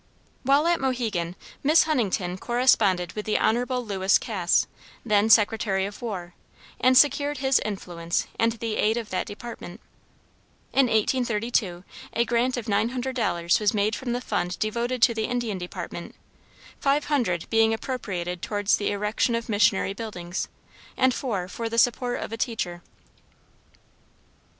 While at Mohegan, Miss Huntington corresponded with the Hon. Lewis Cass, then Secretary of War, and secured his influence and the aid of that department. In 1832, a grant of nine hundred dollars was made from the fund devoted to the Indian Department, five hundred being appropriated towards the erection of missionary buildings, and four for the support of a teacher.